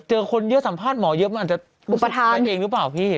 จริงพี่ปุ่นหัวไปมากเลย